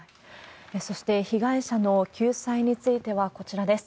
そして、被害者の救済については、こちらです。